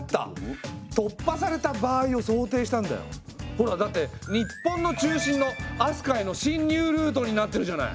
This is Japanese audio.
ほらだって日本の中心の飛鳥への侵入ルートになってるじゃない。